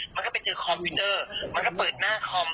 มันก็ไปเจอคอมพิวเตอร์มันก็เปิดหน้าคอม